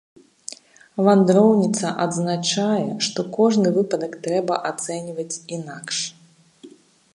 Вандроўніца адзначае, што кожны выпадак трэба ацэньваць інакш.